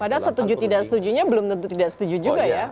padahal setuju tidak setujunya belum tentu tidak setuju juga ya